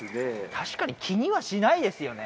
確かに気にはしないですよね